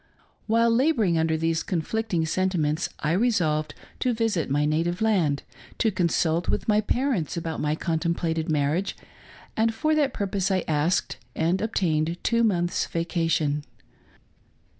While laboring under these conflicting sentiments, I re solved to visit my native land, to consult with my parents about my contemplated marriage ; and for that purpose I asked and obtained two months' vacation.